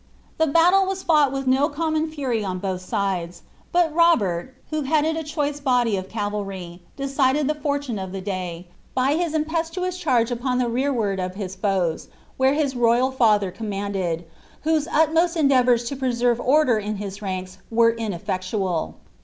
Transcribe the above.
The battle was fought with no common fury on both sides; but Ro bert, who headed a choice body of cavalry, decided the fortune of the day, by his impetuous charge upon the rearward of his foes, where his ro^ al father commanded, whose utmost endeavours to preserve order in his ranks were inefiectual.